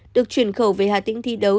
được chuyển khẩu về hà tĩnh thi đấu